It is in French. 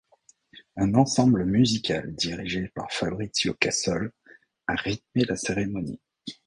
Un ensemble musical dirigé par Fabrizio Cassol a rythmé la cérémonie.